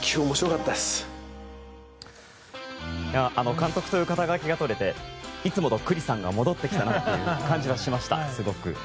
監督という肩書がとれていつもの栗さんが戻ってきたなという感じがすごくしました。